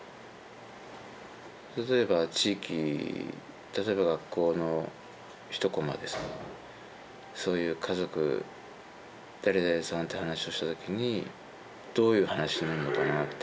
例えば地域例えば学校の一コマでさそういう家族誰々さんって話をした時にどういう話になるのかなって。